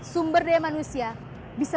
sumber daya manusia bisa